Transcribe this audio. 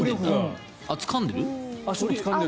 つかんでる？